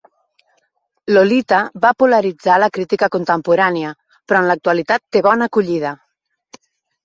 "Lolita" va polaritzar la crítica contemporània, però en l'actualitat té bona acollida.